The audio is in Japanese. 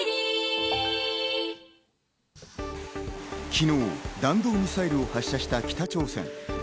昨日、弾道ミサイルを発射した北朝鮮。